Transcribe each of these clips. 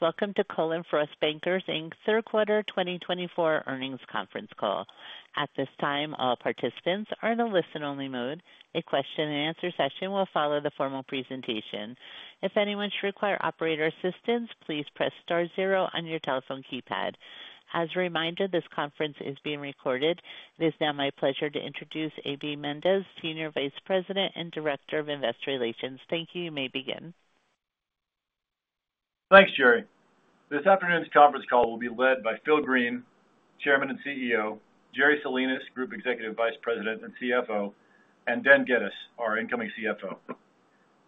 Thanks. Welcome to Cullen/Frost Bankers' third quarter 2024 earnings conference call. At this time, all participants are in a listen-only mode. A question-and-answer session will follow the formal presentation. If anyone should require operator assistance, please press star zero on your telephone keypad. As a reminder, this conference is being recorded. It is now my pleasure to introduce A.B. Mendez, Senior Vice President and Director of Investor Relations. Thank you. You may begin. Thanks, Jerry. This afternoon's conference call will be led by Phil Green, Chairman and CEO, Jerry Salinas, Group Executive Vice President and CFO, and Dan Geddes, our incoming CFO.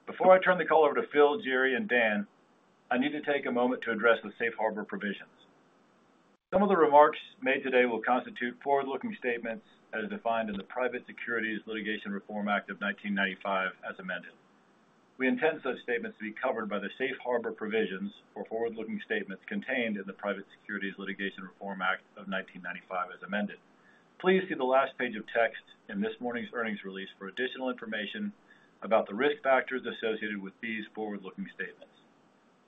Before I turn the call over to Phil, Jerry, and Dan, I need to take a moment to address the safe harbor provisions. Some of the remarks made today will constitute forward-looking statements as defined in the Private Securities Litigation Reform Act of 1995, as amended. We intend such statements to be covered by the safe harbor provisions for forward-looking statements contained in the Private Securities Litigation Reform Act of 1995, as amended. Please see the last page of text in this morning's earnings release for additional information about the risk factors associated with these forward-looking statements.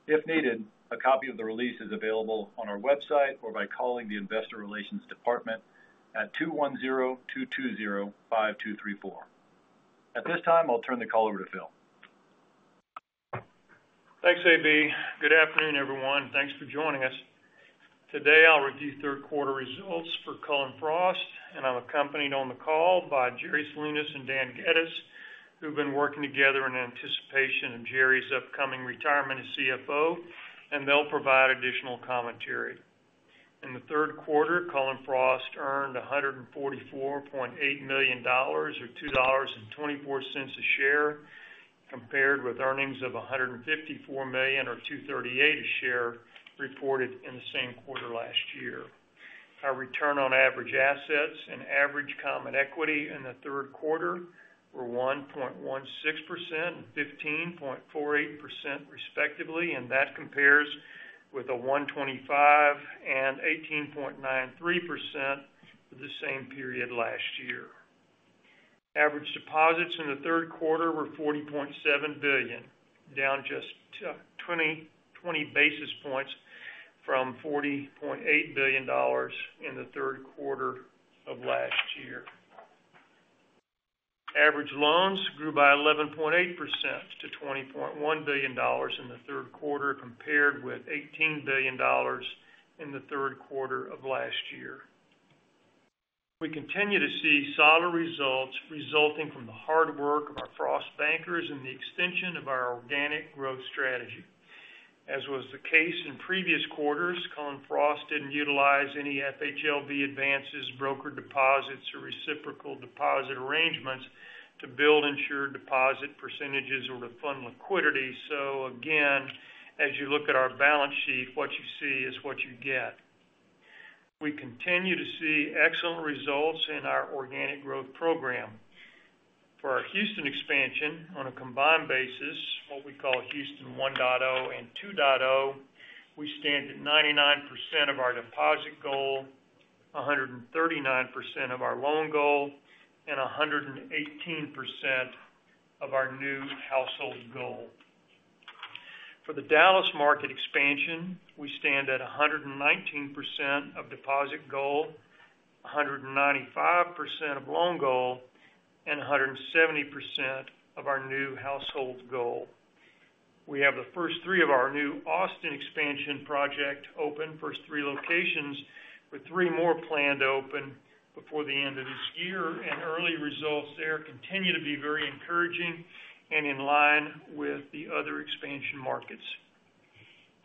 If needed, a copy of the release is available on our website or by calling the Investor Relations Department at 210-220-5234. At this time, I'll turn the call over to Phil. Thanks, A.B. Good afternoon, everyone. Thanks for joining us. Today, I'll review third quarter results for Cullen/Frost, and I'm accompanied on the call by Jerry Salinas and Dan Geddes, who've been working together in anticipation of Jerry's upcoming retirement as CFO, and they'll provide additional commentary. In the third quarter, Cullen/Frost earned $144.8 million, or $2.24 a share, compared with earnings of $154 million, or $2.38 a share, reported in the same quarter last year. Our return on average assets and average common equity in the third quarter were 1.16% and 15.48%, respectively, and that compares with a 1.25% and 18.93% for the same period last year. Average deposits in the third quarter were $40.7 billion, down just 20 basis points from $40.8 billion in the third quarter of last year. Average loans grew by 11.8% to $20.1 billion in the third quarter, compared with $18 billion in the third quarter of last year. We continue to see solid results resulting from the hard work of our Frost Bankers and the extension of our organic growth strategy. As was the case in previous quarters, Cullen/Frost didn't utilize any FHLB advances, brokered deposits, or reciprocal deposit arrangements to build insured deposit percentages or to fund liquidity. So again, as you look at our balance sheet, what you see is what you get. We continue to see excellent results in our organic growth program. For our Houston expansion, on a combined basis, what we call Houston 1.0 and 2.0, we stand at 99% of our deposit goal, 139% of our loan goal, and 118% of our new household goal. For the Dallas market expansion, we stand at 119% of deposit goal, 195% of loan goal, and 170% of our new household goal. We have the first three of our new Austin expansion project open, first three locations, with three more planned to open before the end of this year, and early results there continue to be very encouraging and in line with the other expansion markets.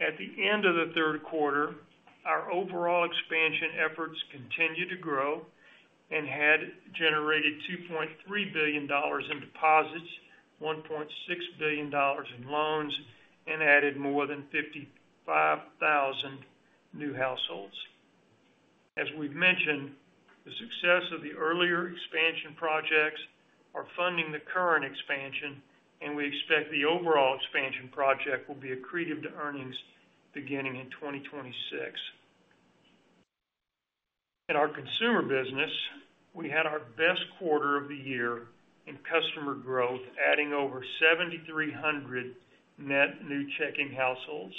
At the end of the third quarter, our overall expansion efforts continue to grow and had generated $2.3 billion in deposits, $1.6 billion in loans, and added more than 55,000 new households. As we've mentioned, the success of the earlier expansion projects is funding the current expansion, and we expect the overall expansion project will be accretive to earnings beginning in 2026. In our consumer business, we had our best quarter of the year in customer growth, adding over 7,300 net new checking households.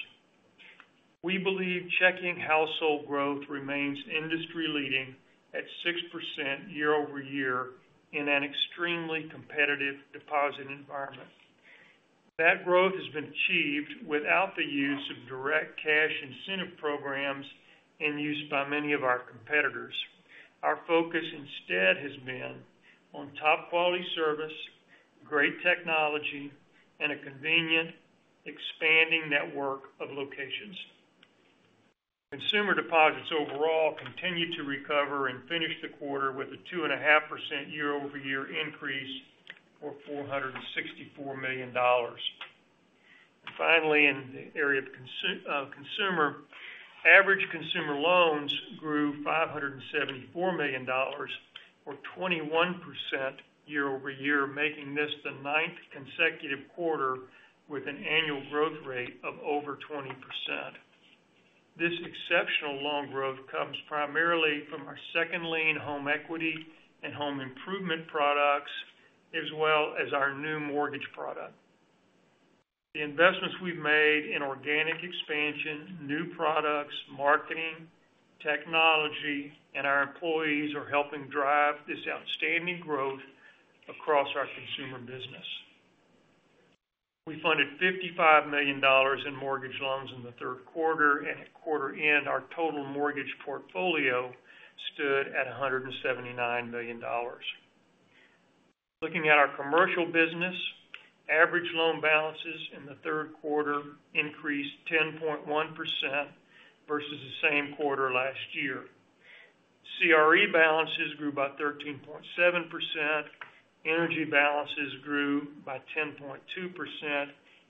We believe checking household growth remains industry-leading at 6% year over year in an extremely competitive deposit environment. That growth has been achieved without the use of direct cash incentive programs in use by many of our competitors. Our focus instead has been on top-quality service, great technology, and a convenient, expanding network of locations. Consumer deposits overall continue to recover and finish the quarter with a 2.5% year-over-year increase for $464 million. And finally, in the area of consumer, average consumer loans grew $574 million, or 21% year-over-year, making this the ninth consecutive quarter with an annual growth rate of over 20%. This exceptional loan growth comes primarily from our second lien home equity and home improvement products, as well as our new mortgage product. The investments we've made in organic expansion, new products, marketing, technology, and our employees are helping drive this outstanding growth across our consumer business. We funded $55 million in mortgage loans in the third quarter, and at quarter end, our total mortgage portfolio stood at $179 million. Looking at our commercial business, average loan balances in the third quarter increased 10.1% versus the same quarter last year. CRE balances grew by 13.7%, energy balances grew by 10.2%,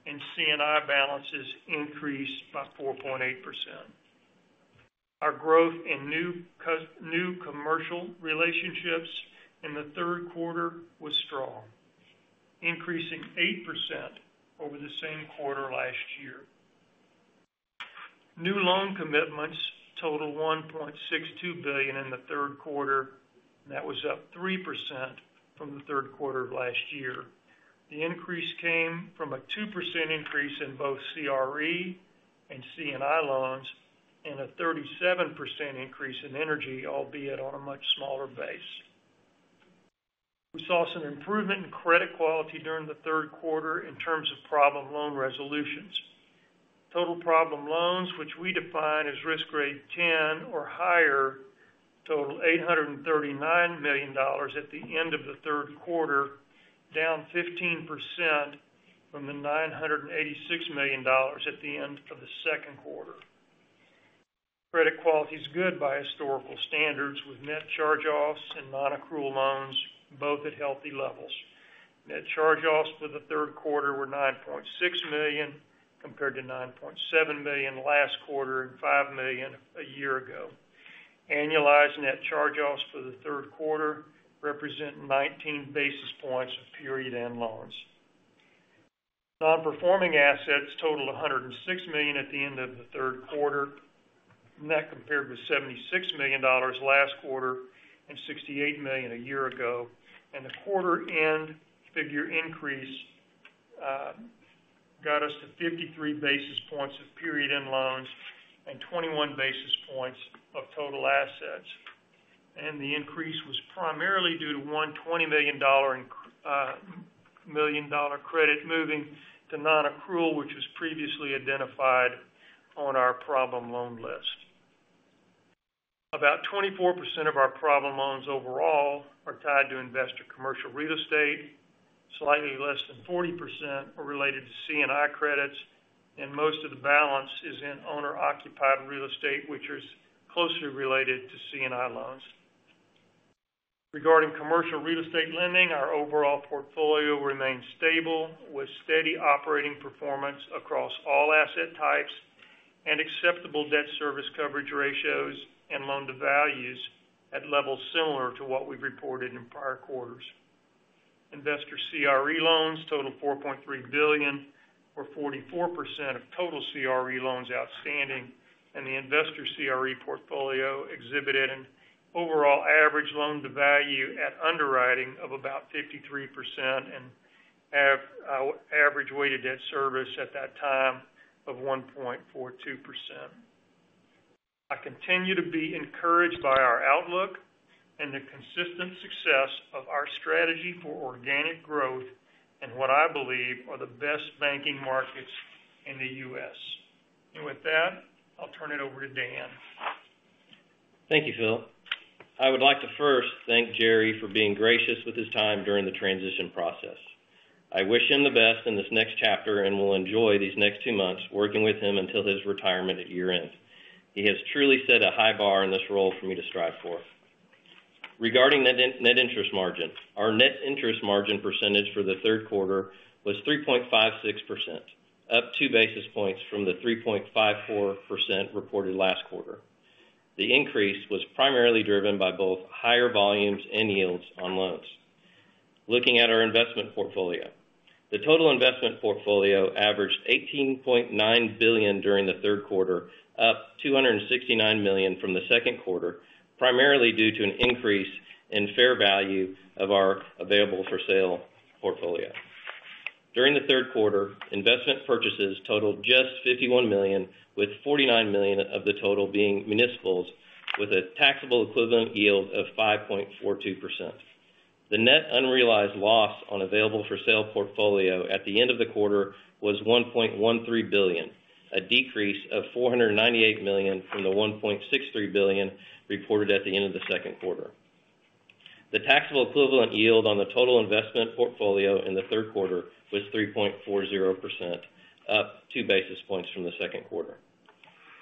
and C&I balances increased by 4.8%. Our growth in new commercial relationships in the third quarter was strong, increasing 8% over the same quarter last year. New loan commitments totaled $1.62 billion in the third quarter, and that was up 3% from the third quarter of last year. The increase came from a 2% increase in both CRE and C&I loans and a 37% increase in energy, albeit on a much smaller base. We saw some improvement in credit quality during the third quarter in terms of problem loan resolutions. Total problem loans, which we define as risk grade 10 or higher, totaled $839 million at the end of the third quarter, down 15% from the $986 million at the end of the second quarter. Credit quality is good by historical standards, with net charge-offs and non-accrual loans both at healthy levels. Net charge-offs for the third quarter were $9.6 million compared to $9.7 million last quarter and $5 million a year ago. Annualized net charge-offs for the third quarter represent 19 basis points of period-end loans. Non-performing assets totaled $106 million at the end of the third quarter, and that compared with $76 million last quarter and $68 million a year ago. And the quarter-end figure increase got us to 53 basis points of period-end loans and 21 basis points of total assets. And the increase was primarily due to $120 million credit moving to non-accrual, which was previously identified on our problem loan list. About 24% of our problem loans overall are tied to investor commercial real estate, slightly less than 40% are related to C&I credits, and most of the balance is in owner-occupied real estate, which is closely related to C&I loans. Regarding commercial real estate lending, our overall portfolio remains stable with steady operating performance across all asset types and acceptable debt service coverage ratios and loan-to-values at levels similar to what we've reported in prior quarters. Investor CRE loans totaled $4.3 billion, or 44% of total CRE loans outstanding, and the investor CRE portfolio exhibited an overall average loan-to-value at underwriting of about 53% and average weighted debt service at that time of 1.42%. I continue to be encouraged by our outlook and the consistent success of our strategy for organic growth and what I believe are the best banking markets in the U.S., and with that, I'll turn it over to Dan. Thank you, Phil. I would like to first thank Jerry for being gracious with his time during the transition process. I wish him the best in this next chapter and will enjoy these next two months working with him until his retirement at year-end. He has truly set a high bar in this role for me to strive for. Regarding net interest margin, our net interest margin percentage for the third quarter was 3.56%, up 2 basis points from the 3.54% reported last quarter. The increase was primarily driven by both higher volumes and yields on loans. Looking at our investment portfolio, the total investment portfolio averaged $18.9 billion during the third quarter, up $269 million from the second quarter, primarily due to an increase in fair value of our available-for-sale portfolio. During the third quarter, investment purchases totaled just $51 million, with $49 million of the total being municipals, with a taxable equivalent yield of 5.42%. The net unrealized loss on available-for-sale portfolio at the end of the quarter was $1.13 billion, a decrease of $498 million from the $1.63 billion reported at the end of the second quarter. The taxable equivalent yield on the total investment portfolio in the third quarter was 3.40%, up 2 basis points from the second quarter.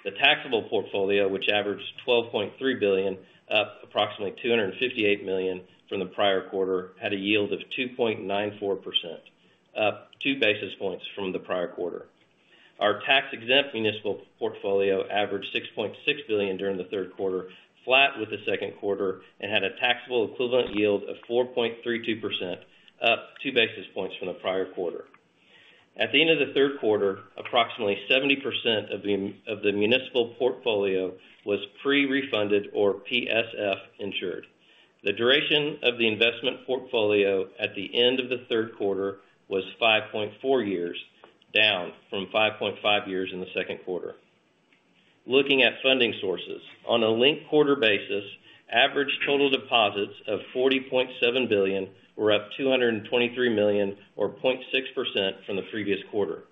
The taxable portfolio, which averaged $12.3 billion, up approximately $258 million from the prior quarter, had a yield of 2.94%, up 2 basis points from the prior quarter. Our tax-exempt municipal portfolio averaged $6.6 billion during the third quarter, flat with the second quarter, and had a taxable equivalent yield of 4.32%, up 2 basis points from the prior quarter. At the end of the third quarter, approximately 70% of the municipal portfolio was pre-refunded, or PSF, insured. The duration of the investment portfolio at the end of the third quarter was 5.4 years, down from 5.5 years in the second quarter. Looking at funding sources, on a linked quarter basis, average total deposits of $40.7 billion were up $223 million, or 0.6%, from the previous quarter.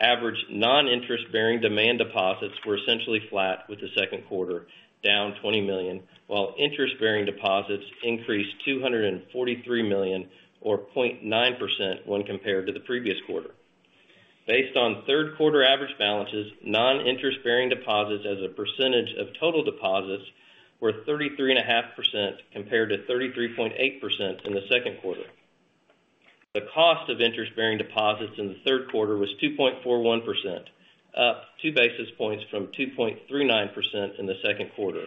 Average non-interest-bearing demand deposits were essentially flat with the second quarter, down $20 million, while interest-bearing deposits increased $243 million, or 0.9%, when compared to the previous quarter. Based on third quarter average balances, non-interest-bearing deposits as a percentage of total deposits were 33.5% compared to 33.8% in the second quarter. The cost of interest-bearing deposits in the third quarter was 2.41%, up 2 basis points from 2.39% in the second quarter.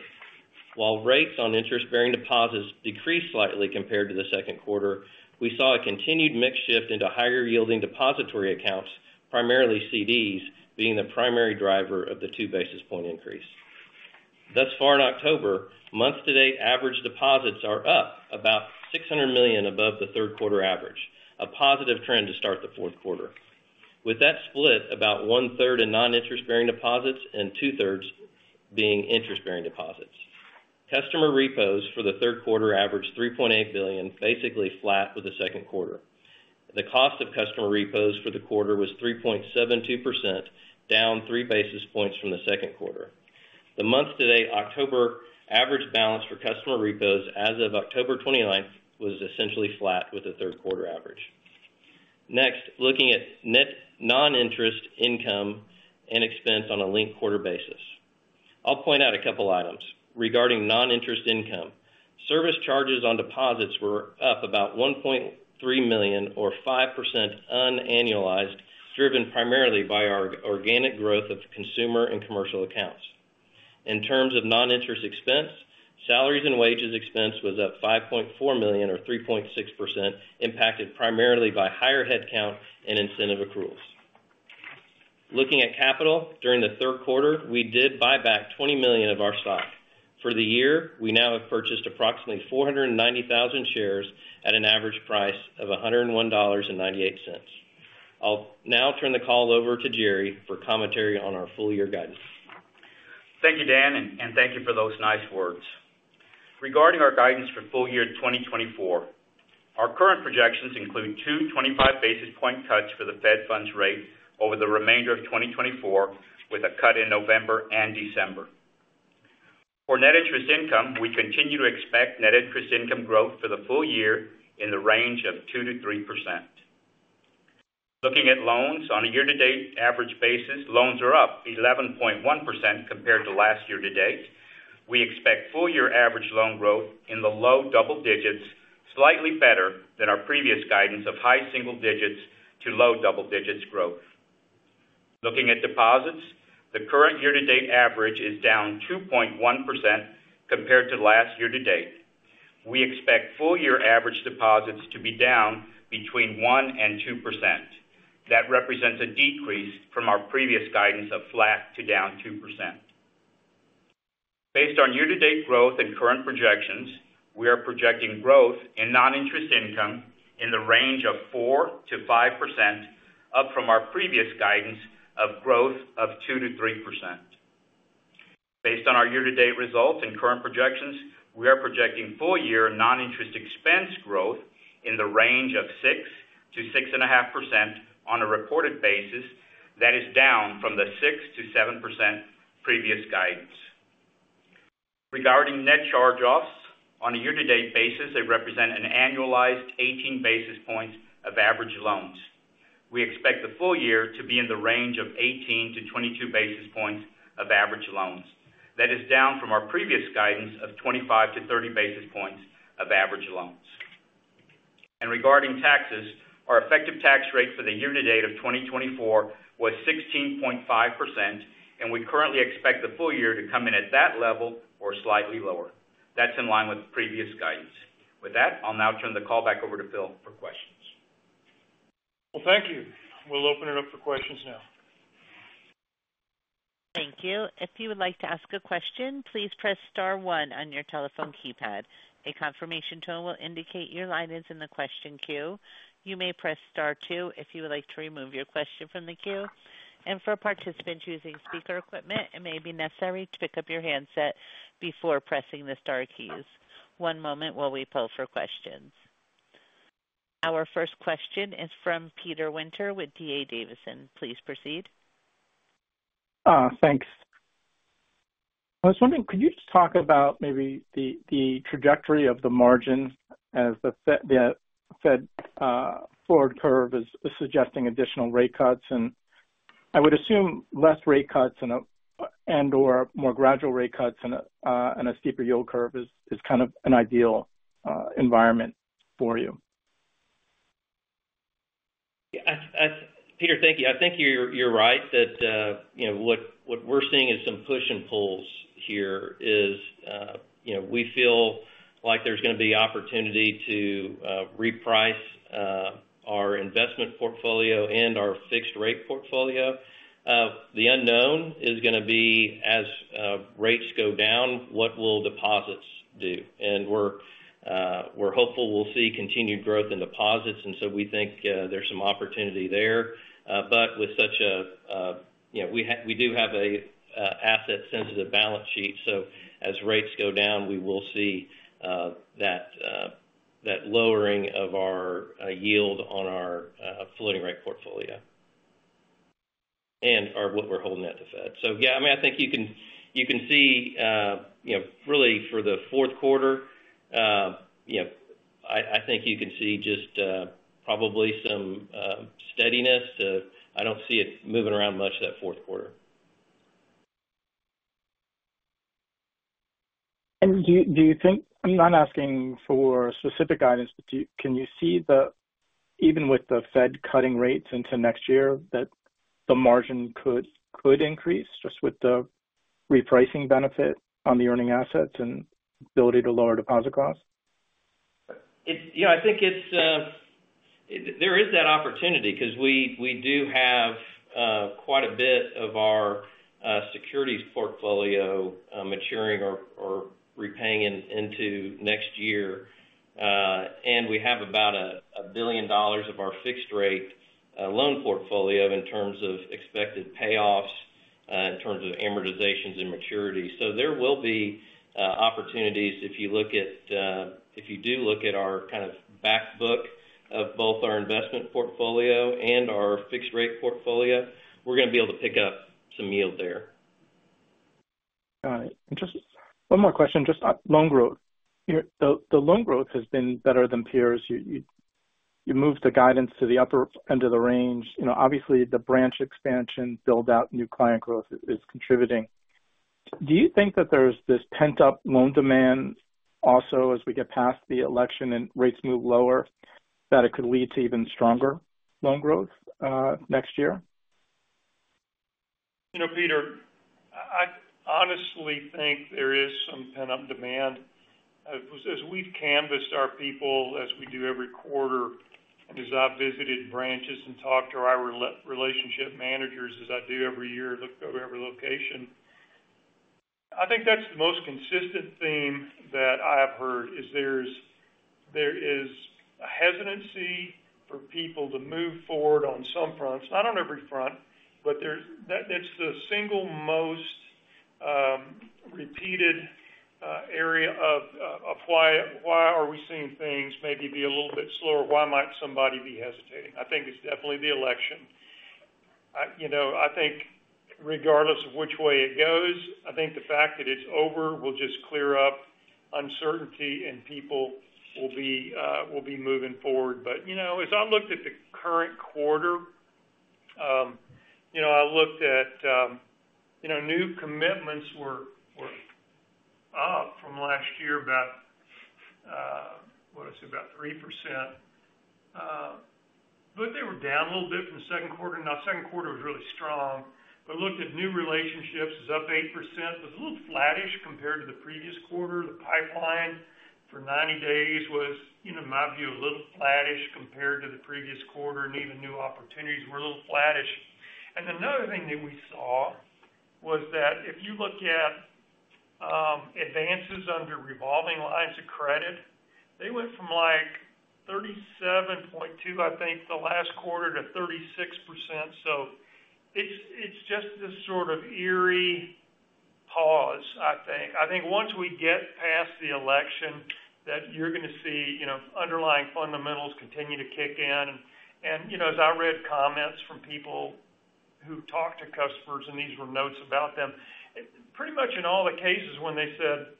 While rates on interest-bearing deposits decreased slightly compared to the second quarter, we saw a continued mixed shift into higher-yielding depository accounts, primarily CDs, being the primary driver of the 2 basis point increase. Thus far in October, month-to-date average deposits are up about $600 million above the third quarter average, a positive trend to start the fourth quarter. With that split, about one-third in non-interest-bearing deposits and two-thirds being interest-bearing deposits. Customer repos for the third quarter averaged $3.8 billion, basically flat with the second quarter. The cost of customer repos for the quarter was 3.72%, down 3 basis points from the second quarter. The month-to-date October average balance for customer repos as of October 29 was essentially flat with the third quarter average. Next, looking at net non-interest income and expense on a linked quarter basis, I'll point out a couple of items. Regarding non-interest income, service charges on deposits were up about $1.3 million, or 5% unannualized, driven primarily by our organic growth of consumer and commercial accounts. In terms of non-interest expense, salaries and wages expense was up $5.4 million, or 3.6%, impacted primarily by higher headcount and incentive accruals. Looking at capital, during the third quarter, we did buy back $20 million of our stock. For the year, we now have purchased approximately 490,000 shares at an average price of $101.98. I'll now turn the call over to Jerry for commentary on our full-year guidance. Thank you, Dan, and thank you for those nice words. Regarding our guidance for full year 2024, our current projections include two 25 basis point cuts for the Fed Funds rate over the remainder of 2024, with a cut in November and December. For net interest income, we continue to expect net interest income growth for the full year in the range of 2%-3%. Looking at loans, on a year-to-date average basis, loans are up 11.1% compared to last year-to-date. We expect full-year average loan growth in the low double digits, slightly better than our previous guidance of high single digits to low double digits growth. Looking at deposits, the current year-to-date average is down 2.1% compared to last year-to-date. We expect full-year average deposits to be down between 1% and 2%. That represents a decrease from our previous guidance of flat to down 2%. Based on year-to-date growth and current projections, we are projecting growth in non-interest income in the range of 4%-5%, up from our previous guidance of growth of 2%-3%. Based on our year-to-date results and current projections, we are projecting full-year non-interest expense growth in the range of 6%-6.5% on a reported basis. That is down from the 6%-7% previous guidance. Regarding net charge-offs, on a year-to-date basis, they represent an annualized 18 basis points of average loans. We expect the full year to be in the range of 18 to 22 basis points of average loans. That is down from our previous guidance of 25 to 30 basis points of average loans. Regarding taxes, our effective tax rate for the year-to-date of 2024 was 16.5%, and we currently expect the full year to come in at that level or slightly lower. That's in line with previous guidance. With that, I'll now turn the call back over to Phil for questions. Thank you. We'll open it up for questions now. Thank you. If you would like to ask a question, please press star one on your telephone keypad. A confirmation tone will indicate your line is in the question queue. You may press star two if you would like to remove your question from the queue. And for participants using speaker equipment, it may be necessary to pick up your handset before pressing the star keys. One moment while we pull for questions. Our first question is from Peter Winter with D.A. Davidson. Please proceed. Thanks. I was wondering, could you just talk about maybe the trajectory of the margin as the Fed forward curve is suggesting additional rate cuts? And I would assume less rate cuts and/or more gradual rate cuts and a steeper yield curve is kind of an ideal environment for you. Peter, thank you. I think you're right that what we're seeing is some push and pulls here. We feel like there's going to be opportunity to reprice our investment portfolio and our fixed-rate portfolio. The unknown is going to be, as rates go down, what will deposits do? And we're hopeful we'll see continued growth in deposits, and so we think there's some opportunity there. But with such a—we do have an asset-sensitive balance sheet, so as rates go down, we will see that lowering of our yield on our floating-rate portfolio and what we're holding at the Fed. So yeah, I mean, I think you can see really for the fourth quarter, I think you can see just probably some steadiness. I don't see it moving around much that fourth quarter. Do you think, I'm not asking for specific guidance, but can you see that even with the Fed cutting rates into next year, that the margin could increase just with the repricing benefit on the earning assets and ability to lower deposit costs? I think there is that opportunity because we do have quite a bit of our securities portfolio maturing or repaying into next year, and we have about $1 billion of our fixed-rate loan portfolio in terms of expected payoffs, in terms of amortizations and maturity. So there will be opportunities if you look at our kind of backbook of both our investment portfolio and our fixed-rate portfolio. We're going to be able to pick up some yield there. Got it. Interesting. One more question, just loan growth. The loan growth has been better than peers. You moved the guidance to the upper end of the range. Obviously, the branch expansion builds out new client growth, is contributing. Do you think that there's this pent-up loan demand also as we get past the election and rates move lower, that it could lead to even stronger loan growth next year? Peter, I honestly think there is some pent-up demand. As we've canvassed our people, as we do every quarter, and as I've visited branches and talked to our relationship managers, as I do every year, looked over every location, I think that's the most consistent theme that I've heard, is there is a hesitancy for people to move forward on some fronts. Not on every front, but it's the single most repeated area of why are we seeing things maybe be a little bit slower? Why might somebody be hesitating? I think it's definitely the election. I think regardless of which way it goes, I think the fact that it's over will just clear up uncertainty, and people will be moving forward. But as I looked at the current quarter, I looked at new commitments were up from last year by, what is it, about 3%. But they were down a little bit from the second quarter. Now, the second quarter was really strong. But looked at new relationships, it was up 8%. It was a little flattish compared to the previous quarter. The pipeline for 90 days was, in my view, a little flattish compared to the previous quarter. And even new opportunities were a little flattish. And another thing that we saw was that if you look at advances under revolving lines of credit, they went from like 37.2, I think, the last quarter to 36%. So it's just this sort of eerie pause, I think. I think once we get past the election, that you're going to see underlying fundamentals continue to kick in. And as I read comments from people who talked to customers, and these were notes about them, pretty much in all the cases when they said,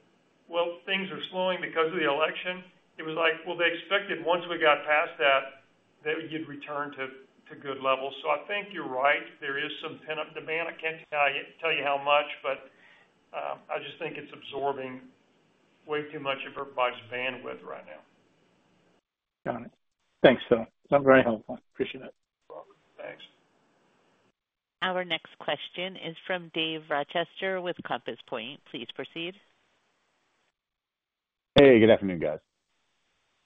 "Well, things are slowing because of the election," it was like, "Well, they expected once we got past that, that you'd return to good levels." So I think you're right. There is some pent-up demand. I can't tell you how much, but I just think it's absorbing way too much of everybody's bandwidth right now. Got it. Thanks, Phil. That was very helpful. Appreciate it. You're welcome. Thanks. Our next question is from Dave Rochester with Compass Point. Please proceed. Hey, good afternoon, guys.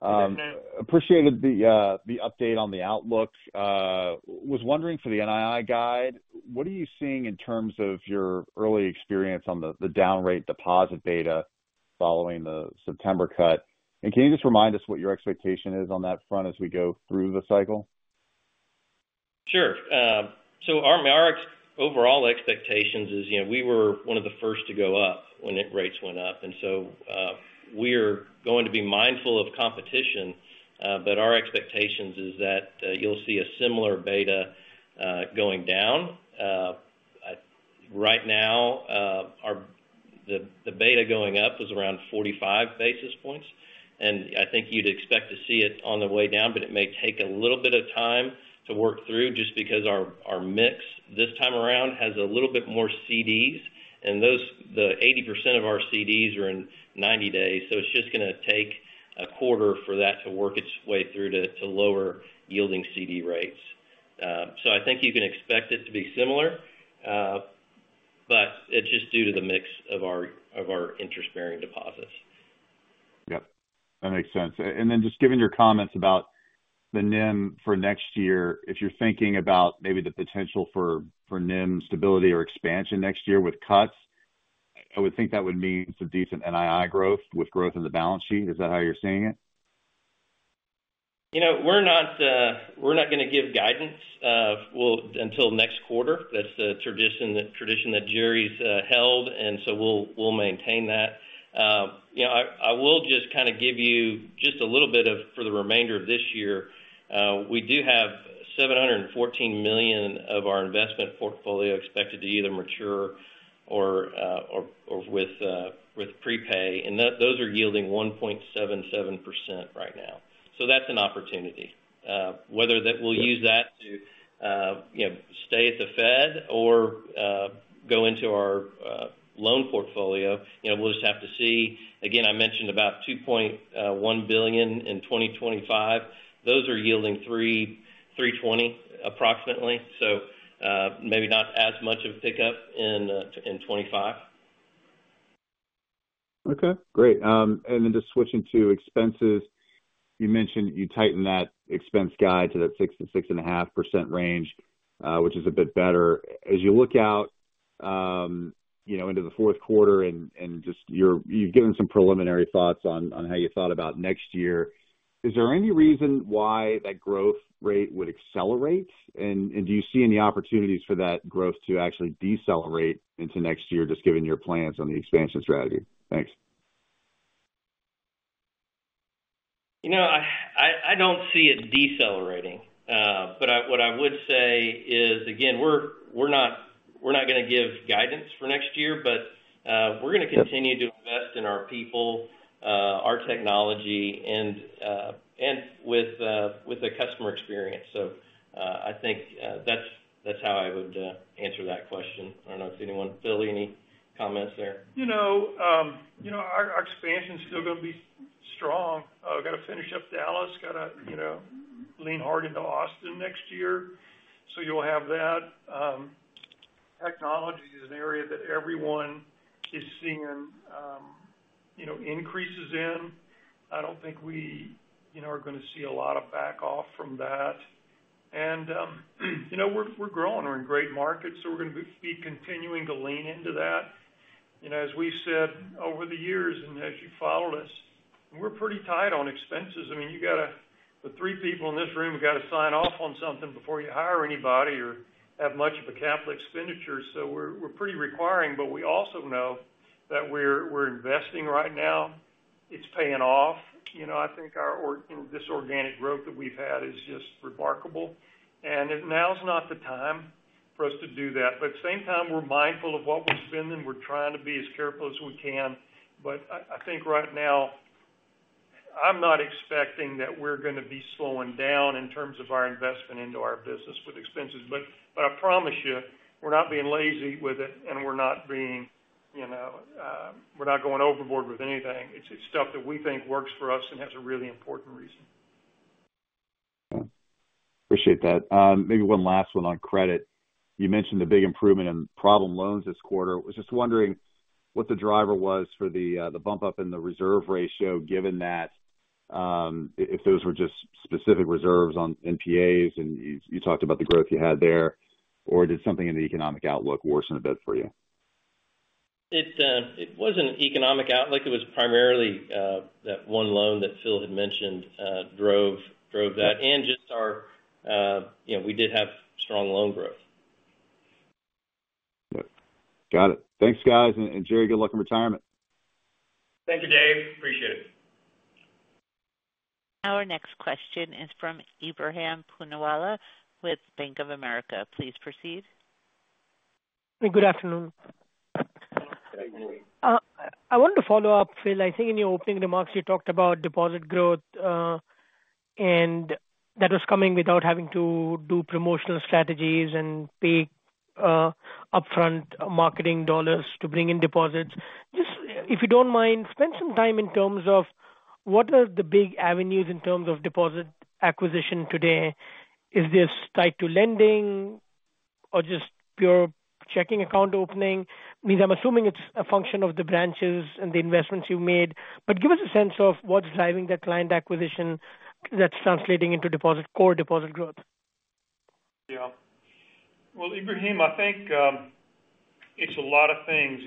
Good afternoon. Appreciated the update on the outlook. Was wondering for the NII guide, what are you seeing in terms of your early experience on the down rate deposit beta following the September cut? And can you just remind us what your expectation is on that front as we go through the cycle? Sure. So our overall expectations is we were one of the first to go up when rates went up, and so we are going to be mindful of competition, but our expectations is that you'll see a similar beta going down. Right now, the beta going up was around 45 basis points, and I think you'd expect to see it on the way down, but it may take a little bit of time to work through just because our mix this time around has a little bit more CDs, and the 80% of our CDs are in 90 days, so it's just going to take a quarter for that to work its way through to lower yielding CD rates, so I think you can expect it to be similar, but it's just due to the mix of our interest-bearing deposits. Yep. That makes sense, and then just given your comments about the NIM for next year, if you're thinking about maybe the potential for NIM stability or expansion next year with cuts, I would think that would mean some decent NII growth with growth in the balance sheet. Is that how you're seeing it? We're not going to give guidance until next quarter. That's the tradition that Jerry's held, and so we'll maintain that. I will just kind of give you just a little bit for the remainder of this year. We do have $714 million of our investment portfolio expected to either mature or with prepay, and those are yielding 1.77% right now. So that's an opportunity. Whether that we'll use that to stay at the Fed or go into our loan portfolio, we'll just have to see. Again, I mentioned about $2.1 billion in 2025. Those are yielding 3.20% approximately, so maybe not as much of a pickup in 2025. Okay. Great. And then just switching to expenses, you mentioned you tightened that expense guide to that 6%-6.5% range, which is a bit better. As you look out into the fourth quarter and just you've given some preliminary thoughts on how you thought about next year, is there any reason why that growth rate would accelerate? And do you see any opportunities for that growth to actually decelerate into next year, just given your plans on the expansion strategy? Thanks. I don't see it decelerating. But what I would say is, again, we're not going to give guidance for next year, but we're going to continue to invest in our people, our technology, and with the customer experience. So I think that's how I would answer that question. I don't know if anyone, Phil, any comments there? Our expansion is still going to be strong. Got to finish up Dallas, got to lean hard into Austin next year, so you'll have that. Technology is an area that everyone is seeing increases in. I don't think we are going to see a lot of back off from that, and we're growing. We're in great markets, so we're going to be continuing to lean into that. As we've said over the years and as you followed us, we're pretty tight on expenses. I mean, you got to, the three people in this room have got to sign off on something before you hire anybody or have much of a capital expenditure. So we're pretty rigorous, but we also know that we're investing right now. It's paying off. I think this organic growth that we've had is just remarkable, and now's not the time for us to do that. But at the same time, we're mindful of what we're spending. We're trying to be as careful as we can. But I think right now, I'm not expecting that we're going to be slowing down in terms of our investment into our business with expenses. But I promise you, we're not being lazy with it, and we're not going overboard with anything. It's stuff that we think works for us and has a really important reason. Appreciate that. Maybe one last one on credit. You mentioned a big improvement in problem loans this quarter. I was just wondering what the driver was for the bump up in the reserve ratio, given that if those were just specific reserves on NPAs, and you talked about the growth you had there, or did something in the economic outlook worsen a bit for you? It wasn't economic outlook. It was primarily that one loan that Phil had mentioned drove that, and just we did have strong loan growth. But got it. Thanks, guys. And Jerry, good luck in retirement. Thank you, Dave. Appreciate it. Our next question is from Ebrahim Poonawala with Bank of America. Please proceed. Good afternoon. Good afternoon. I wanted to follow up, Phil. I think in your opening remarks, you talked about deposit growth, and that was coming without having to do promotional strategies and pay upfront marketing dollars to bring in deposits. Just if you don't mind, spend some time in terms of what are the big avenues in terms of deposit acquisition today? Is this tied to lending or just pure checking account opening? I mean, I'm assuming it's a function of the branches and the investments you've made. But give us a sense of what's driving that client acquisition that's translating into core deposit growth. Yeah. Well, Ebrahim, I think it's a lot of things.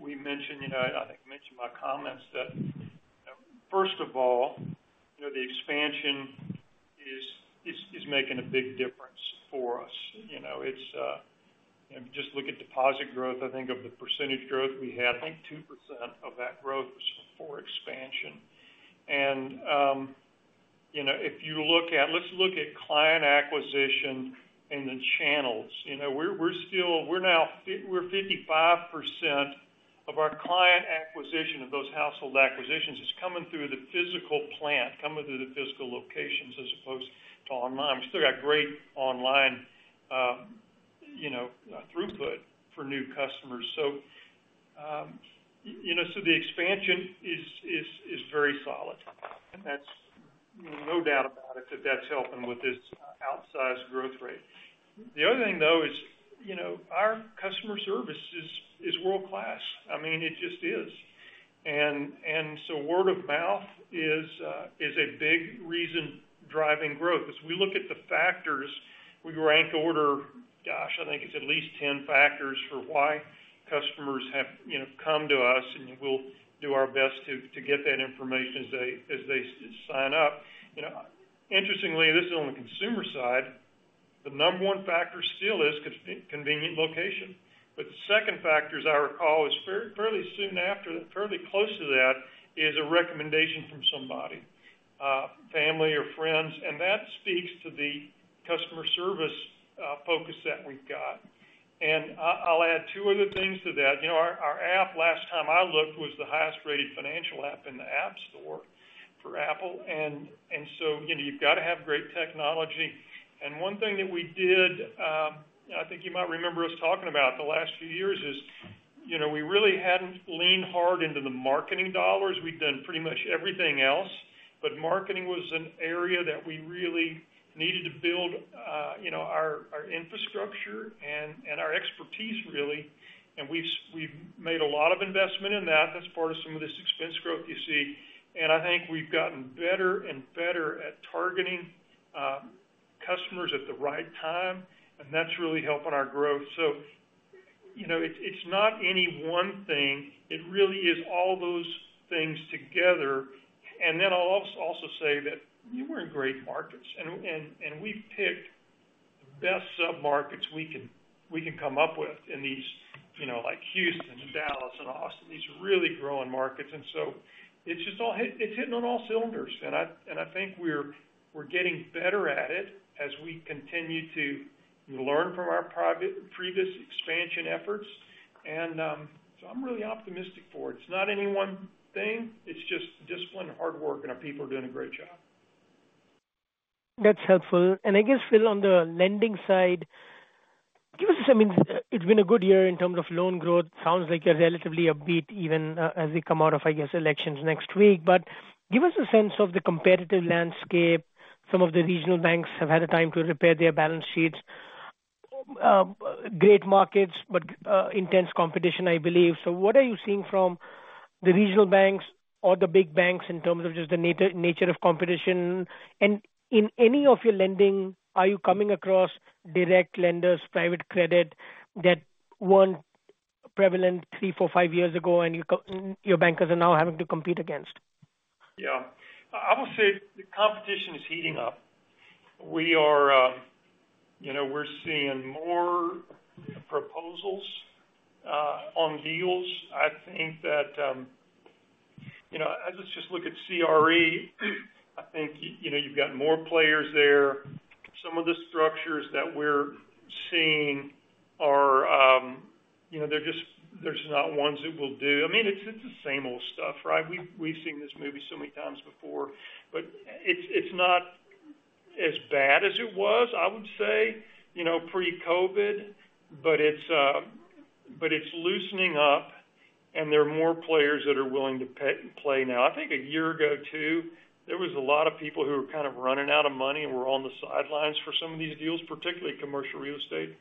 We mentioned. I think I mentioned in my comments that, first of all, the expansion is making a big difference for us. Just look at deposit growth. I think of the percentage growth we had, I think 2% of that growth was for expansion. And if you look at. Let's look at client acquisition in the channels. We're now 55% of our client acquisition of those household acquisitions is coming through the physical plant, coming through the physical locations as opposed to online. We still got great online throughput for new customers. So the expansion is very solid. And there's no doubt about it that that's helping with this outsized growth rate. The other thing, though, is our customer service is world-class. I mean, it just is. And so word of mouth is a big reason driving growth. As we look at the factors, we rank order, gosh, I think it's at least 10 factors for why customers have come to us, and we'll do our best to get that information as they sign up. Interestingly, this is on the consumer side. The number one factor still is convenient location. But the second factor, as I recall, is fairly soon after, fairly close to that, is a recommendation from somebody, family or friends. And that speaks to the customer service focus that we've got. And I'll add two other things to that. Our app, last time I looked, was the highest-rated financial app in the App Store for Apple. And so you've got to have great technology. And one thing that we did, I think you might remember us talking about the last few years, is we really hadn't leaned hard into the marketing dollars. We'd done pretty much everything else. But marketing was an area that we really needed to build our infrastructure and our expertise, really. And we've made a lot of investment in that. That's part of some of this expense growth you see. And I think we've gotten better and better at targeting customers at the right time, and that's really helping our growth. So it's not any one thing. It really is all those things together. And then I'll also say that we're in great markets, and we've picked the best sub-markets we can come up with in these like Houston and Dallas and Austin, these really growing markets. And so it's hitting on all cylinders. And I think we're getting better at it as we continue to learn from our previous expansion efforts. And so I'm really optimistic for it. It's not any one thing. It's just discipline and hard work, and our people are doing a great job. That's helpful, and I guess, Phil, on the lending side, give us a sense. I mean, it's been a good year in terms of loan growth. Sounds like you're relatively upbeat even as we come out of, I guess, elections next week, but give us a sense of the competitive landscape. Some of the regional banks have had a time to repair their balance sheets. Great markets, but intense competition, I believe, so what are you seeing from the regional banks or the big banks in terms of just the nature of competition, and in any of your lending, are you coming across direct lenders, private credit that weren't prevalent three, four, five years ago, and your bankers are now having to compete against? Yeah. I would say the competition is heating up. We're seeing more proposals on deals. I think that as we just look at CRE, I think you've got more players there. Some of the structures that we're seeing are. There's not ones that will do. I mean, it's the same old stuff, right? We've seen this movie so many times before, but it's not as bad as it was, I would say, pre-COVID, but it's loosening up, and there are more players that are willing to play now. I think a year ago, too, there was a lot of people who were kind of running out of money and were on the sidelines for some of these deals, particularly commercial real estate,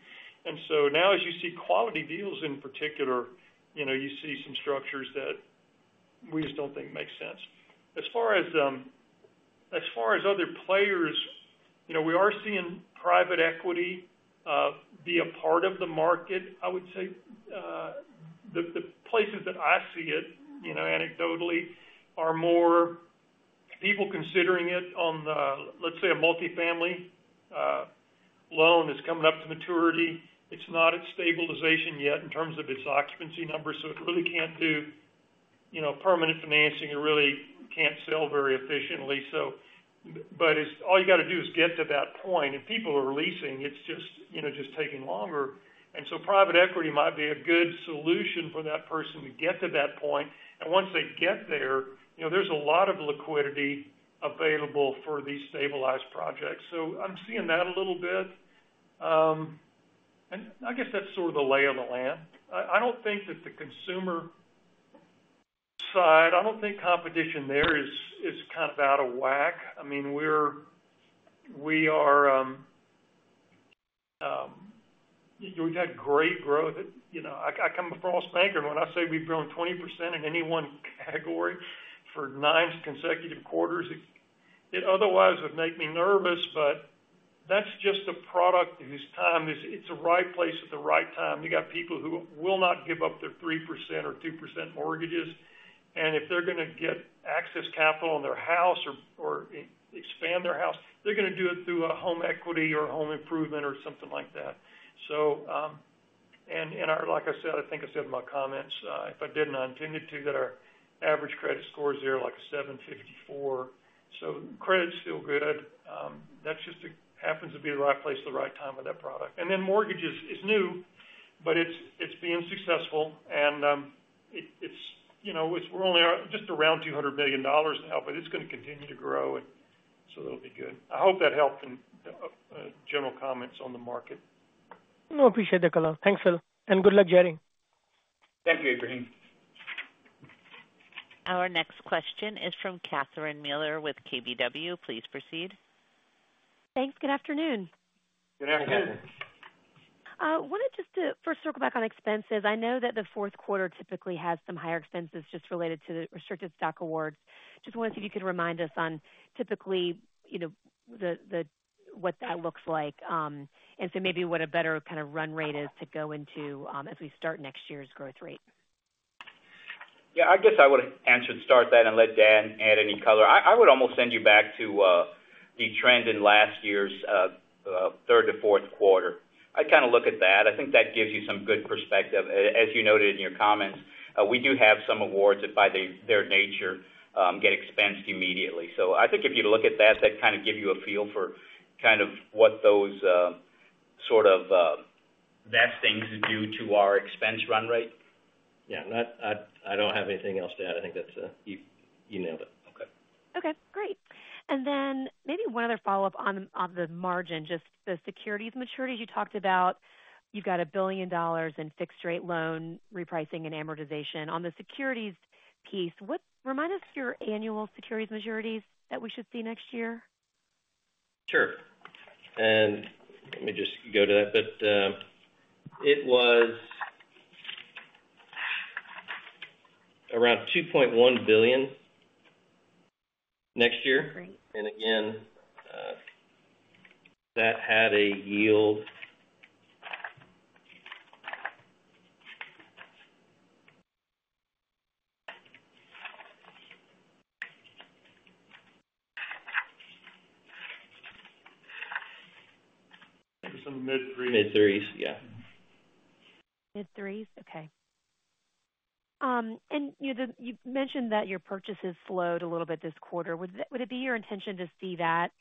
and so now, as you see quality deals in particular, you see some structures that we just don't think make sense. As far as other players, we are seeing private equity be a part of the market, I would say. The places that I see it, anecdotally, are more people considering it on the, let's say, a multifamily loan is coming up to maturity. It's not at stabilization yet in terms of its occupancy numbers, so it really can't do permanent financing or really can't sell very efficiently, but all you got to do is get to that point, and people are leasing. It's just taking longer, and so private equity might be a good solution for that person to get to that point, and once they get there, there's a lot of liquidity available for these stabilized projects, so I'm seeing that a little bit, and I guess that's sort of the lay of the land. I don't think that the consumer side, I don't think competition there is kind of out of whack. I mean, we've had great growth. I come from Frost Bank, and when I say we've grown 20% in any one category for nine consecutive quarters, it otherwise would make me nervous, but that's just a product whose time is. It's the right place at the right time. You got people who will not give up their 3% or 2% mortgages. And if they're going to get access capital on their house or expand their house, they're going to do it through a home equity or home improvement or something like that. And like I said, I think I said in my comments, if I didn't, I intended to, that our average credit score is there like a 754. So credit's still good. That just happens to be the right place at the right time with that product, and then mortgages is new, but it's being successful, and we're only just around $200 million now, but it's going to continue to grow, and so that'll be good. I hope that helped in general comments on the market. No, appreciate that color. Thanks, Phil, and good luck, Jerry. Thank you, Ebrahim. Our next question is from Catherine Mealor with KBW. Please proceed. Thanks. Good afternoon. Good afternoon. Thanks. I wanted just to first circle back on expenses. I know that the fourth quarter typically has some higher expenses just related to the restricted stock awards. Just wanted to see if you could remind us on typically what that looks like. And so maybe what a better kind of run rate is to go into as we start next year's growth rate. Yeah. I guess I would answer to start that and let Dan add any color. I would almost send you back to the trend in last year's third to fourth quarter. I'd kind of look at that. I think that gives you some good perspective. As you noted in your comments, we do have some awards that, by their nature, get expensed immediately. So I think if you look at that, that kind of gives you a feel for kind of what those sort of vestings do to our expense run rate. Yeah. I don't have anything else to add. I think that's a—you nailed it. Okay. Okay. Great. And then maybe one other follow-up on the margin, just the securities maturities you talked about. You've got $1 billion in fixed-rate loan repricing and amortization. On the securities piece, remind us your annual securities maturities that we should see next year. Sure. And let me just go to that. But it was around $2.1 billion next year. And again, that had a yield. Maybe some mid-threes. Mid-threes, yeah. Mid-threes? Okay. And you mentioned that your purchases slowed a little bit this quarter. Would it be your intention to see that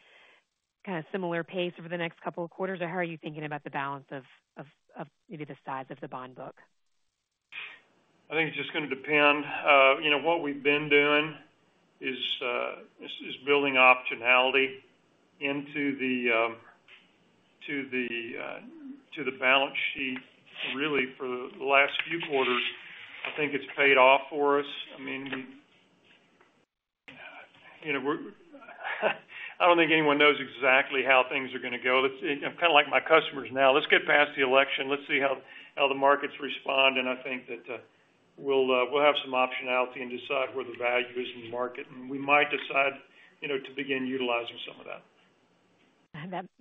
kind of similar pace over the next couple of quarters, or how are you thinking about the balance of maybe the size of the bond book? I think it's just going to depend. What we've been doing is building optionality into the balance sheet, really, for the last few quarters. I think it's paid off for us. I mean, I don't think anyone knows exactly how things are going to go. It's kind of like my customers now. Let's get past the election. Let's see how the markets respond, and I think that we'll have some optionality and decide where the value is in the market, and we might decide to begin utilizing some of that.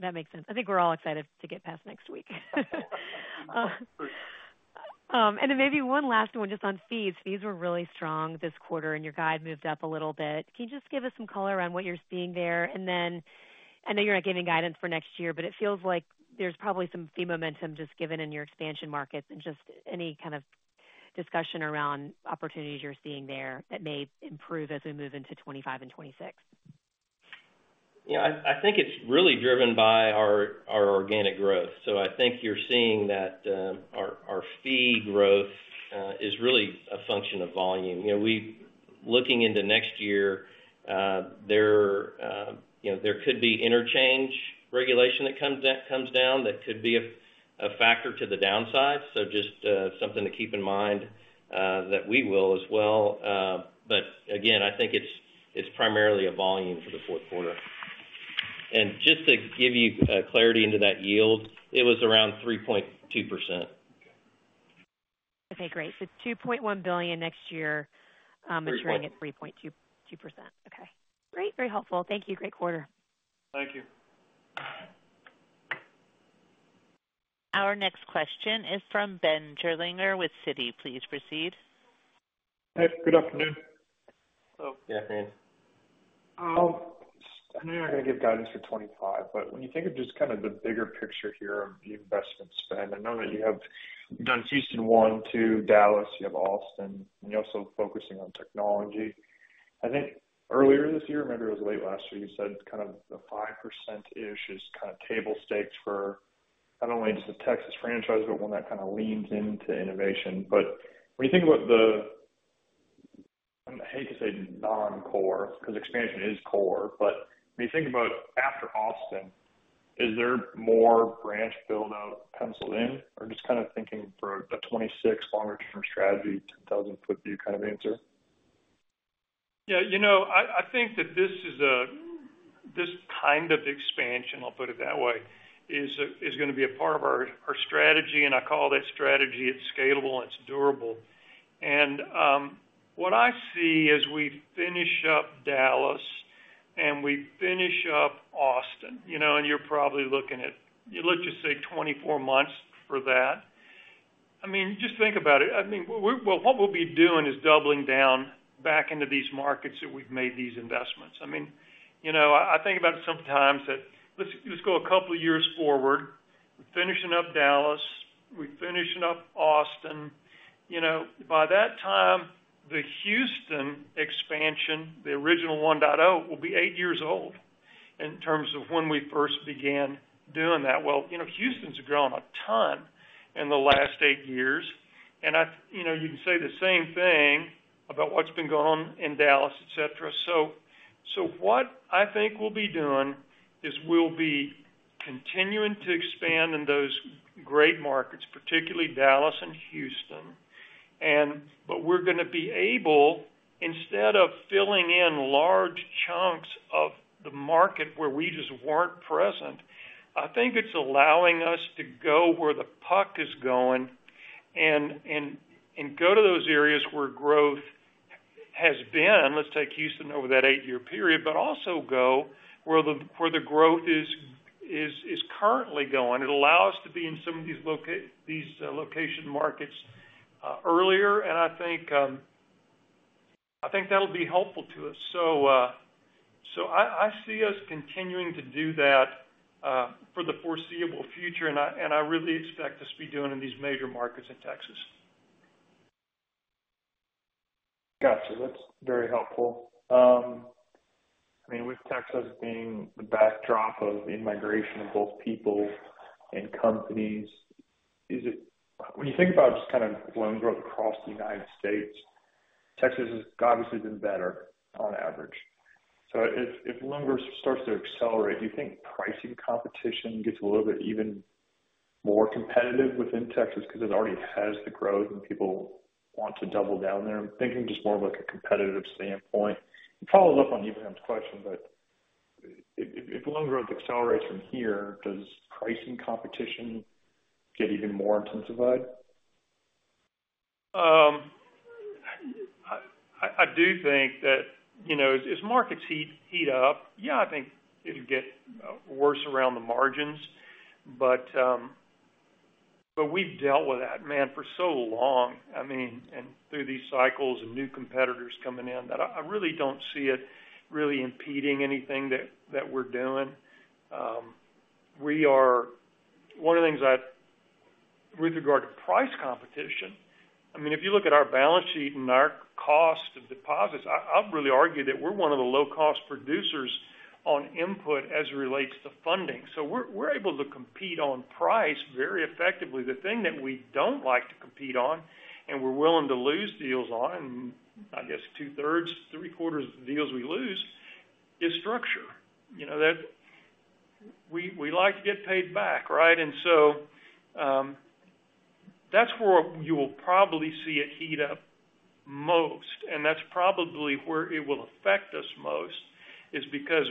That makes sense. I think we're all excited to get past next week, and then maybe one last one just on fees. Fees were really strong this quarter, and your guide moved up a little bit. Can you just give us some color on what you're seeing there? And then I know you're not giving guidance for next year, but it feels like there's probably some fee momentum just given in your expansion markets and just any kind of discussion around opportunities you're seeing there that may improve as we move into 2025 and 2026. Yeah. I think it's really driven by our organic growth. So I think you're seeing that our fee growth is really a function of volume. Looking into next year, there could be interchange regulation that comes down that could be a factor to the downside. So just something to keep in mind that we will as well. But again, I think it's primarily a volume for the fourth quarter. And just to give you clarity into that yield, it was around 3.2%. Okay. Great. So $2.1 billion next year, maturing at 3.2%. Okay. Great. Very helpful. Thank you. Great quarter. Thank you. Our next question is from Ben Gerlinger with Citi. Please proceed. Hey. Good afternoon. Hello. Good afternoon. I know you're not going to give guidance for 2025, but when you think of just kind of the bigger picture here of the investment spend, I know that you have done Houston 1.0, 2.0, Dallas, you have Austin, and you're also focusing on technology. I think earlier this year, maybe it was late last year, you said kind of the 5%-ish is kind of table stakes for not only just the Texas franchise, but when that kind of leans into innovation. But when you think about the—I hate to say non-core because expansion is core, but when you think about after Austin, is there more branch build-out penciled in? Or just kind of thinking for a 2026 longer-term strategy, 10,000-foot view kind of answer? Yeah. I think that this kind of expansion, I'll put it that way, is going to be a part of our strategy. And I call that strategy, it's scalable, it's durable. And what I see as we finish up Dallas and we finish up Austin, and you're probably looking at, let's just say, 24 months for that. I mean, just think about it. I mean, what we'll be doing is doubling down back into these markets that we've made these investments. I mean, I think about it sometimes that let's go a couple of years forward. We're finishing up Dallas. We're finishing up Austin. By that time, the Houston expansion, the original 1.0, will be eight years old in terms of when we first began doing that. Well, Houston's grown a ton in the last eight years. And you can say the same thing about what's been going on in Dallas, etc. So what I think we'll be doing is we'll be continuing to expand in those great markets, particularly Dallas and Houston. But we're going to be able, instead of filling in large chunks of the market where we just weren't present, I think it's allowing us to go where the puck is going and go to those areas where growth has been. Let's take Houston over that eight-year period, but also go where the growth is currently going. It allows us to be in some of these location markets earlier. And I think that'll be helpful to us. So I see us continuing to do that for the foreseeable future. And I really expect us to be doing it in these major markets in Texas. Gotcha. That's very helpful. I mean, with Texas being the backdrop of the immigration of both people and companies, when you think about just kind of loan growth across the United States, Texas has obviously been better on average. So if loan growth starts to accelerate, do you think pricing competition gets a little bit even more competitive within Texas because it already has the growth and people want to double down there? I'm thinking just more of a competitive standpoint. It follows up on even on the question, but if loan growth accelerates from here, does pricing competition get even more intensified? I do think that as markets heat up, yeah, I think it'll get worse around the margins. But we've dealt with that, man, for so long, I mean, and through these cycles and new competitors coming in that I really don't see it really impeding anything that we're doing. One of the things with regard to price competition, I mean, if you look at our balance sheet and our cost of deposits, I'll really argue that we're one of the low-cost producers on input as it relates to funding. So we're able to compete on price very effectively. The thing that we don't like to compete on and we're willing to lose deals on, and I guess two-thirds, three-quarters of the deals we lose is structure. We like to get paid back, right? And so that's where you will probably see it heat up most. And that's probably where it will affect us most is because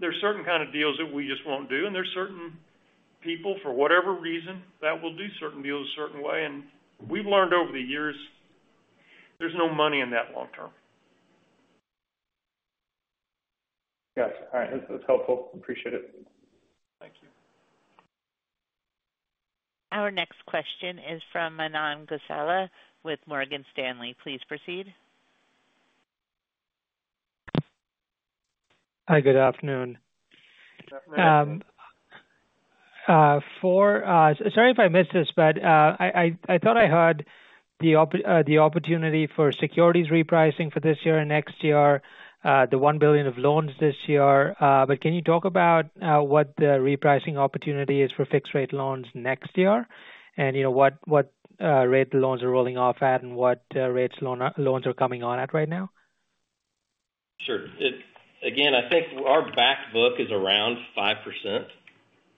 there's certain kinds of deals that we just won't do. And there's certain people, for whatever reason, that will do certain deals a certain way. And we've learned over the years there's no money in that long term. Gotcha. All right. That's helpful. Appreciate it. Thank you. Our next question is from Manan Gosalia with Morgan Stanley. Please proceed. Hi, good afternoon. Sorry if I missed this, but I thought I heard the opportunity for securities repricing for this year and next year, the $1 billion of loans this year. But can you talk about what the repricing opportunity is for fixed-rate loans next year and what rate the loans are rolling off at and what rates loans are coming on at right now? Sure. Again, I think our backbook is around 5%.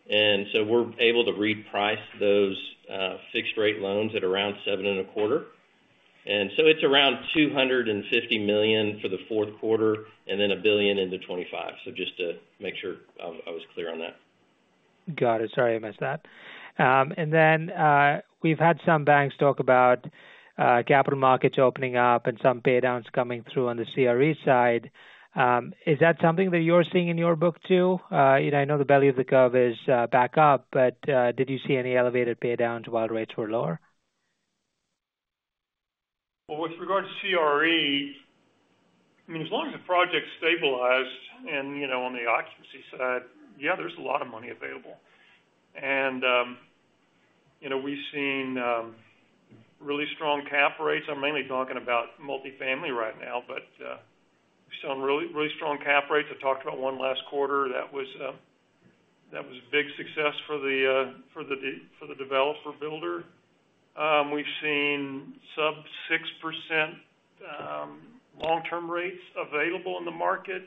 And so we're able to reprice those fixed-rate loans at around 7.25%. And so it's around $250 million for the fourth quarter and then $1 billion into 2025. So just to make sure I was clear on that. Got it. Sorry I missed that. And then we've had some banks talk about capital markets opening up and some paydowns coming through on the CRE side. Is that something that you're seeing in your book too? I know the belly of the curve is back up, but did you see any elevated paydowns while rates were lower? With regard to CRE, I mean, as long as the project stabilized and on the occupancy side, yeah, there's a lot of money available, and we've seen really strong cap rates. I'm mainly talking about multifamily right now, but we've seen really strong cap rates. I talked about one last quarter. That was a big success for the developer builder. We've seen sub-6% long-term rates available in the market.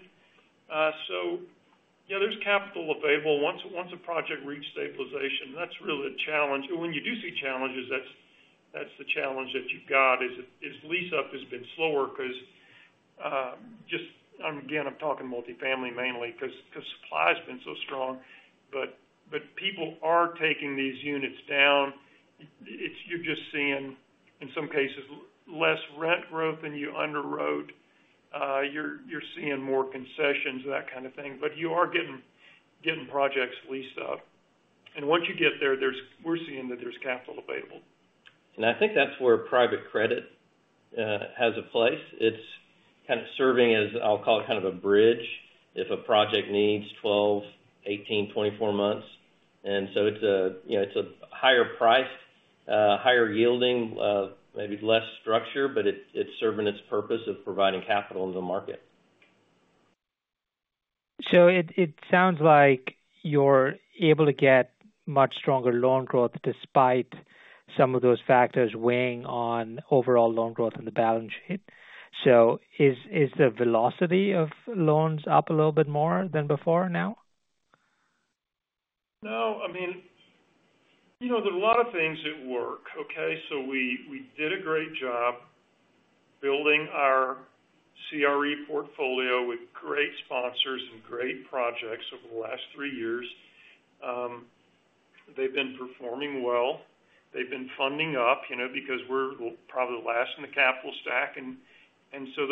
So yeah, there's capital available. Once a project reaches stabilization, that's really a challenge, and when you do see challenges, that's the challenge that you've got is lease-up has been slower because just, again, I'm talking multifamily mainly because supply has been so strong. But people are taking these units down. You're just seeing, in some cases, less rent growth than you underwrote. You're seeing more concessions, that kind of thing. But you are getting projects leased up. Once you get there, we're seeing that there's capital available. I think that's where private credit has a place. It's kind of serving as, I'll call it kind of a bridge if a project needs 12, 18, 24 months. It's a higher-priced, higher-yielding, maybe less structured, but it's serving its purpose of providing capital into the market. So it sounds like you're able to get much stronger loan growth despite some of those factors weighing on overall loan growth in the balance sheet. So is the velocity of loans up a little bit more than before now? No. I mean, there are a lot of things that work, okay? So we did a great job building our CRE portfolio with great sponsors and great projects over the last three years. They've been performing well. They've been funding up because we're probably the last in the capital stack. And so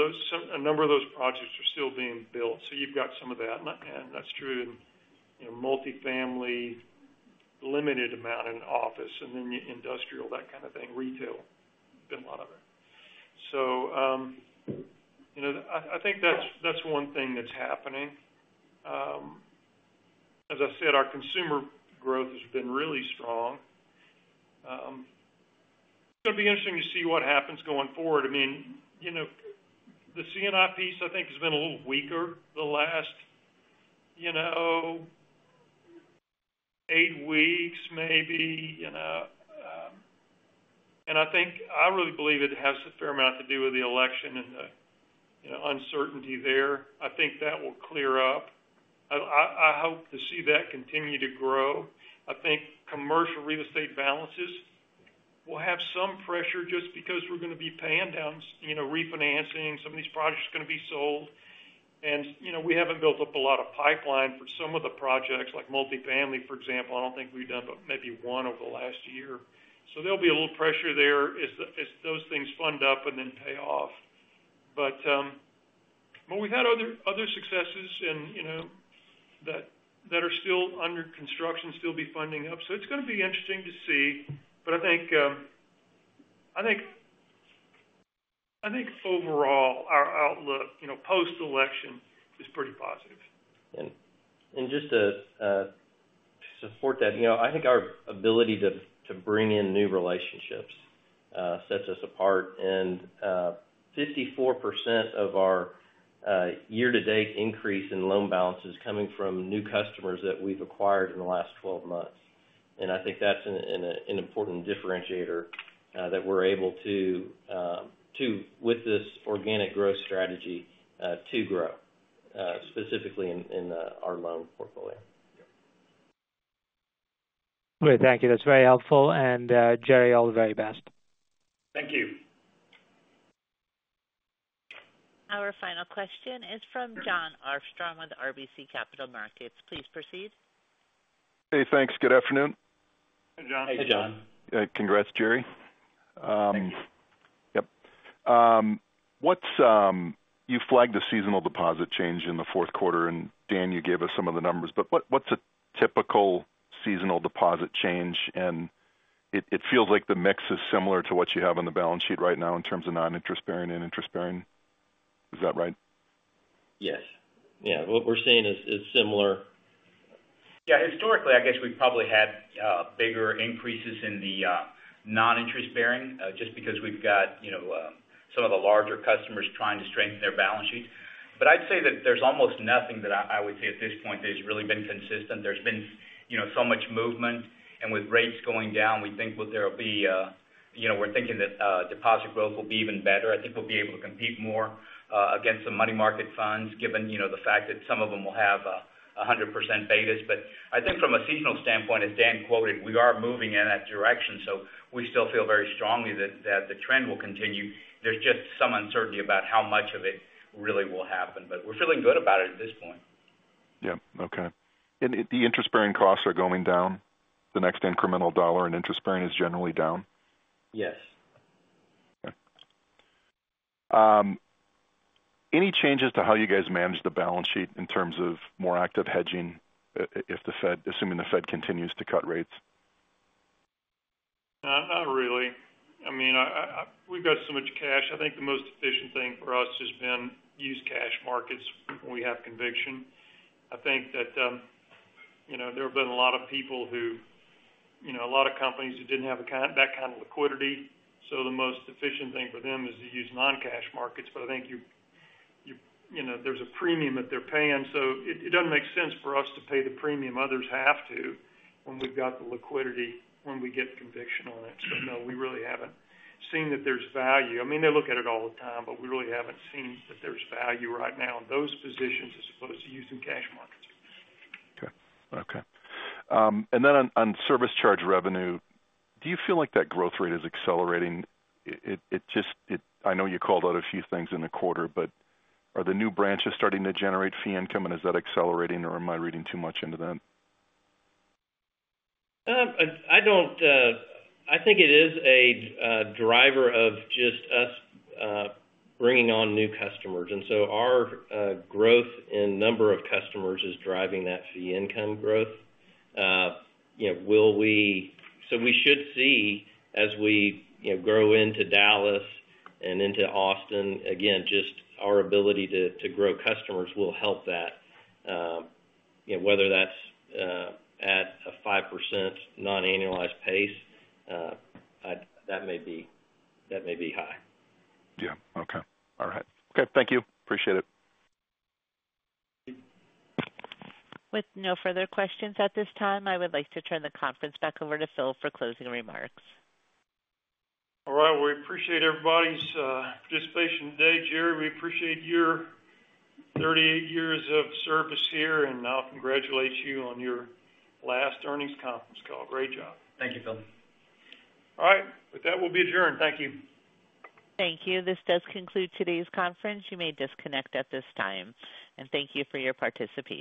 a number of those projects are still being built. So you've got some of that. And that's true in multifamily, limited amount in office, and then industrial, that kind of thing, retail, a lot of it. So I think that's one thing that's happening. As I said, our consumer growth has been really strong. It's going to be interesting to see what happens going forward. I mean, the C&I piece, I think, has been a little weaker the last eight weeks, maybe. And I really believe it has a fair amount to do with the election and the uncertainty there. I think that will clear up. I hope to see that continue to grow. I think commercial real estate balances will have some pressure just because we're going to be paying down, refinancing. Some of these projects are going to be sold. And we haven't built up a lot of pipeline for some of the projects, like multifamily, for example. I don't think we've done but maybe one over the last year. So there'll be a little pressure there as those things fund up and then pay off. But we've had other successes that are still under construction, still be funding up. So it's going to be interesting to see. But I think overall, our outlook post-election is pretty positive. Just to support that, I think our ability to bring in new relationships sets us apart. 54% of our year-to-date increase in loan balance is coming from new customers that we've acquired in the last 12 months. I think that's an important differentiator that we're able to, with this organic growth strategy, to grow, specifically in our loan portfolio. Great. Thank you. That's very helpful. And Jerry, all the very best. Thank you. Our final question is from Jon Arfstrom with RBC Capital Markets. Please proceed. Hey, thanks. Good afternoon. Hey, Jon. Hey, Jon. Congrats, Jerry. Thank you. Yep. You flagged a seasonal deposit change in the fourth quarter. And Dan, you gave us some of the numbers. But what's a typical seasonal deposit change? And it feels like the mix is similar to what you have on the balance sheet right now in terms of non-interest bearing and interest bearing. Is that right? Yes. Yeah. What we're seeing is similar. Yeah. Historically, I guess we've probably had bigger increases in the non-interest bearing just because we've got some of the larger customers trying to strengthen their balance sheet. But I'd say that there's almost nothing that I would say at this point that has really been consistent. There's been so much movement. And with rates going down, we think there'll be, we're thinking that deposit growth will be even better. I think we'll be able to compete more against the money market funds given the fact that some of them will have 100% betas. But I think from a seasonal standpoint, as Dan quoted, we are moving in that direction. So we still feel very strongly that the trend will continue. There's just some uncertainty about how much of it really will happen. But we're feeling good about it at this point. Yeah. Okay. And the interest bearing costs are going down? The next incremental dollar in interest bearing is generally down? Yes. Okay. Any changes to how you guys manage the balance sheet in terms of more active hedging assuming the Fed continues to cut rates? Not really. I mean, we've got so much cash. I think the most efficient thing for us has been to use cash markets when we have conviction. I think that there have been a lot of people who, a lot of companies that didn't have that kind of liquidity. So the most efficient thing for them is to use non-cash markets. But I think there's a premium that they're paying. So it doesn't make sense for us to pay the premium others have to when we've got the liquidity when we get conviction on it. So no, we really haven't seen that there's value. I mean, they look at it all the time, but we really haven't seen that there's value right now in those positions as opposed to using cash markets. Okay. Okay. And then on service charge revenue, do you feel like that growth rate is accelerating? I know you called out a few things in the quarter, but are the new branches starting to generate fee income? And is that accelerating, or am I reading too much into that? I think it is a driver of just us bringing on new customers. And so our growth in number of customers is driving that fee income growth. So we should see as we grow into Dallas and into Austin, again, just our ability to grow customers will help that. Whether that's at a 5% non-annualized pace, that may be high. Yeah. Okay. All right. Okay. Thank you. Appreciate it. With no further questions at this time, I would like to turn the conference back over to Phil for closing remarks. All right. Well, we appreciate everybody's participation today. Jerry, we appreciate your 38 years of service here. And I'll congratulate you on your last earnings conference call. Great job. Thank you, Phil. All right. With that, we'll be adjourned. Thank you. Thank you. This does conclude today's conference. You may disconnect at this time, and thank you for your participation.